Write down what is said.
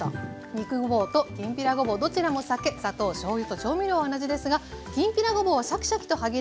肉ごぼうときんぴらごぼうどちらも酒砂糖しょうゆと調味料は同じですがきんぴらごぼうはシャキシャキと歯切れよく